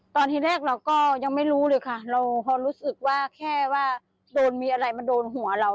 ตอนแรกเราก็ยังไม่รู้เลยค่ะเราพอรู้สึกว่าแค่ว่าโดนมีอะไรมาโดนหัวเรา